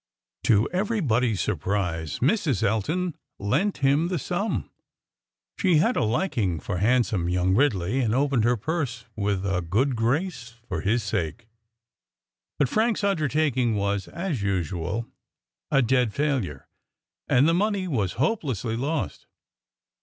To everybody's surprise, Mrs. Elton lent him the sum. She had a liking for handsome young Ridley, and opened her purse with a good grace for his sake. But Frank's undertaking was, as usual, a dead failure, and the money was hopelessly lost.